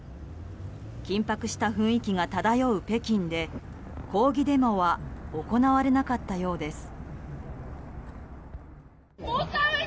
緊迫した雰囲気が漂う北京で抗議デモは行われなかったようです。